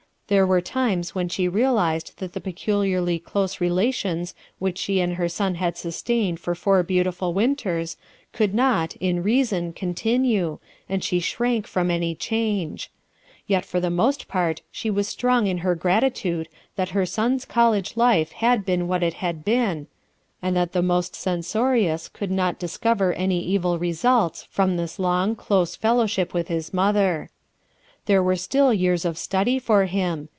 There were times when she realized that the peculiarly close relations which she and her son had sustained for four beautiful winters could not, in reason, continue, and she shrank from any change. Yet for the most 7 8 RUTH ERSKINE'S SON part she was strong in her gratitude that ] son's college life had been what it h ad ^' and that the most censorious could not tl ^ cover any evil results from this long, ^ fellowship with his mother. Then, u ere ^ 3 ears of study for him.